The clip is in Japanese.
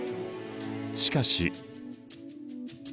しかし。